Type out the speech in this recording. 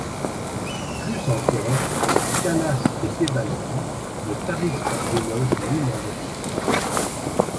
Plus encore, Callas et Tebaldi ne tarissent pas d'éloges l'une envers l'autre.